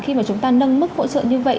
khi mà chúng ta nâng mức hỗ trợ như vậy